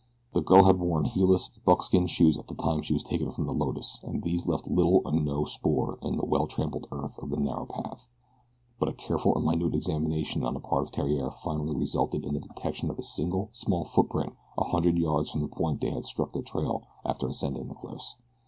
The girl had worn heelless buckskin shoes at the time she was taken from the Lotus, and these left little or no spoor in the well tramped earth of the narrow path; but a careful and minute examination on the part of Theriere finally resulted in the detection of a single small footprint a hundred yards from the point they had struck the trail after ascending the cliffs.